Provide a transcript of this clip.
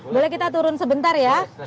boleh kita turun sebentar ya